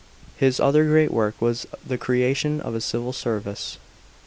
His other great work was the creation of a civil service.